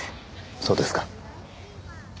そうですか。